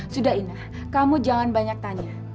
sudah inah kamu jangan banyak tanya